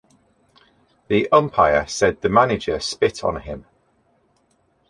The umpire said the manager spit on him.